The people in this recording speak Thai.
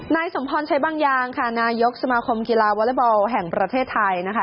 นายสมพรใช้บางอย่างค่ะนายกสมาคมกีฬาวอเล็กบอลแห่งประเทศไทยนะคะ